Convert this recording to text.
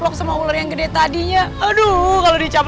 aku akan menganggap